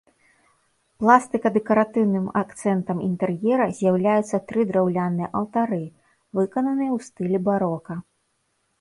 Пластыка-дэкаратыўным акцэнтам інтэр'ера з'яўляюцца тры драўляныя алтары, выкананыя ў стылі барока.